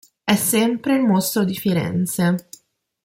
È sempre il mostro di Firenze.